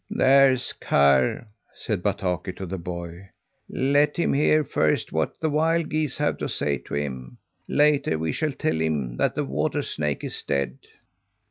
"There's Karr," said Bataki to the boy. "Let him hear first what the wild geese have to say to him; later we shall tell him that the water snake is dead."